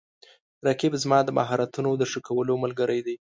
رقیب زما د مهارتونو د ښه کولو ملګری دی